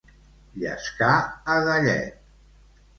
Llescar a gallet.